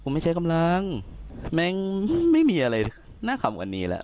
ผมไม่ใช้กำลังแม่งไม่มีอะไรน่าขำกว่านี้แหละ